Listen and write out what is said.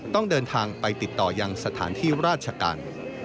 ต้องเดินทางไปติดต่อยังสถานที่ราชการ